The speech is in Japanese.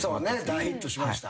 大ヒットしました。